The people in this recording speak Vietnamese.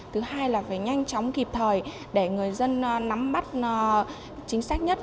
thứ hai là phải nhanh chóng kịp thời để người dân nắm mắt chính xác nhất